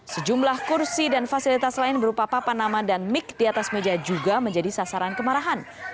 sejumlah kursi dan fasilitas lain berupa papan nama dan mic di atas meja juga menjadi sasaran kemarahan